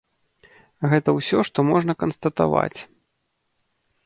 Гэта ўсё, што можна канстатаваць.